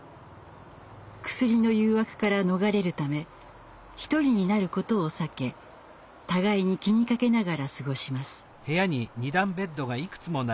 クスリの誘惑から逃れるため一人になることを避け互いに気にかけながら過ごします。